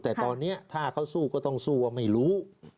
แต่ตอนนี้ถ้าเขาสู้ก็ต้องสู้ว่าไม่รู้